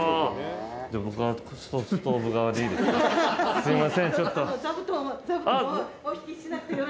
すいません。